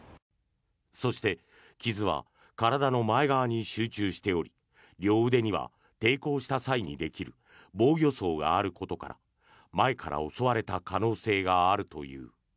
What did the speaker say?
そして、傷は体の前側に集中しており両腕には抵抗した際にできる防御創があることから前から襲われた可能性があるという。